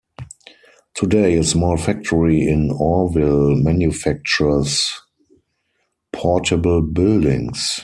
Today a small factory in Orrville manufactures portable buildings.